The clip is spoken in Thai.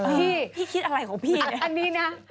พี่พี่คิดอะไรของพี่เนี่ย